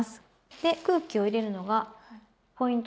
で空気を入れるのがポイントになります。